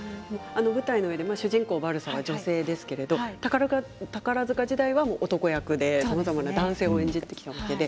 主人公バルサは女性ですけれど宝塚時代は男役でさまざまな男性を演じていましたよね。